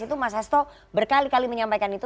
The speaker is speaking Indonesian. itu mas hasto berkali kali menyampaikan itu